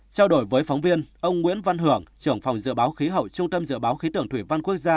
trao đổi với phóng viên ông nguyễn văn hưởng trưởng phòng dự báo khí hậu trung tâm dự báo khí tượng thủy văn quốc gia